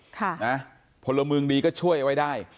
คนละเมืองดีก็ช่วยไว้ได้